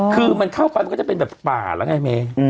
คือมันเข้าไปมันก็จะเป็นแบบป่าแล้วไงเม